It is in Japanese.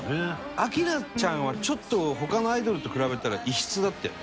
「明菜ちゃんはちょっと他のアイドルと比べたら異質だったよね」